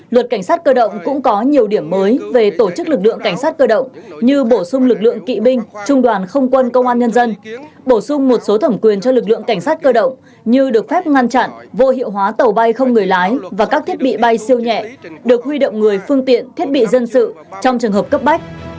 luật cảnh sát cơ động cũng có nhiều điểm mới về tổ chức lực lượng cảnh sát cơ động như bổ sung lực lượng kỵ binh trung đoàn không quân công an nhân dân bổ sung một số thẩm quyền cho lực lượng cảnh sát cơ động như được phép ngăn chặn vô hiệu hóa tàu bay không người lái và các thiết bị bay siêu nhẹ được huy động người phương tiện thiết bị dân sự trong trường hợp cấp bách